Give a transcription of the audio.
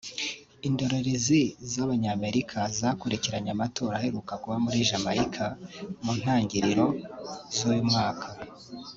Indorerezi z’Abanyamerika zakurikiranye amatora aheruka kuba muri Jamaica mu ntangirizo z’uyu mwaka